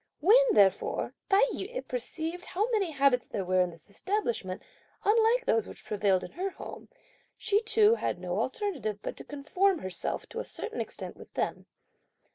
When, therefore, Tai yü perceived how many habits there were in this establishment unlike those which prevailed in her home, she too had no alternative but to conform herself to a certain extent with them.